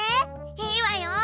いいわよ！